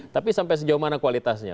tapi sampai sejauh mana kualitasnya